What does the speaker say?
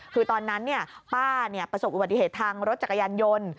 คือตอนนั้นป้าประสบอุบัติเหตุทางรถจักรยานยนต์